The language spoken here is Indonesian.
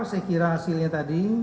saya kira hasilnya tadi